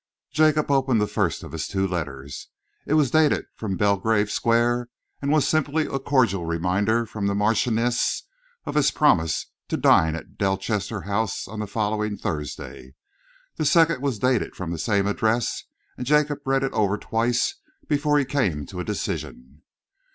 Jacob opened the first of his two letters. It was dated from Belgrave Square and was simply a cordial reminder from the Marchioness of his promise to dine at Delchester House on the following Thursday. The second was dated from the same address, and Jacob read it over twice before he came to a decision.